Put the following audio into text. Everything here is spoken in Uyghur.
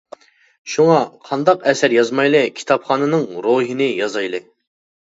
شۇڭا قانداق ئەسەر يازمايلى كىتابخاننىڭ روھىنى يازايلى!